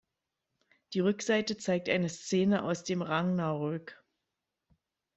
Die Rückseite zeigt eine Szene aus dem Ragnarök.